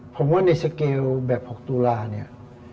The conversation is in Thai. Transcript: ผมว่าในสเกลแบบ๖ตุลาเนี่ย